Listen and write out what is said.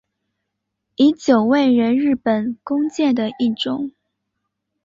从九位为日本官阶的一种。